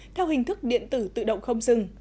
theo hình thức điện tử tự động không dừng